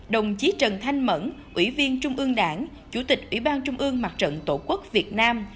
đồng chí trần thanh mẫn ủy viên trung ương đảng chủ tịch ủy ban trung ương mặt trận tổ quốc việt nam